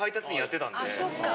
そっか！